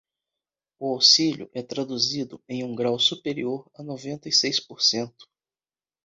O auxílio é traduzido em um grau superior a noventa e seis por cento.